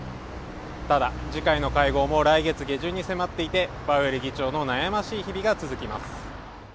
ただ、次回の会合も来月下旬に迫っていて、パウエル議長の悩ましい日々が続きます。